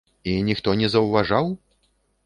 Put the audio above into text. І ніхто не заўважаў?